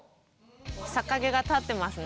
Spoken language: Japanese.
逆毛が立ってますね。